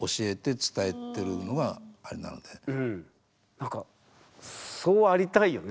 何かそうありたいよね